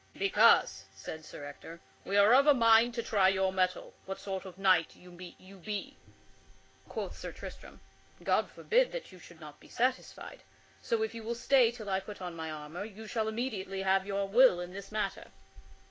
"Because," said Sir Ector, "we are of a mind to try your mettle what sort of a knight you be." Quoth Sir Tristram: "God forbid that you should not be satisfied. So if you will stay till I put on my armor you shall immediately have your will in this matter."